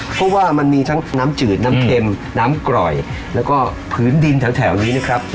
เพราะว่ามันมีทั้งน้ำจืดน้ำเค็มน้ำกร่อยแล้วก็ผืนดินแถวนี้นะครับ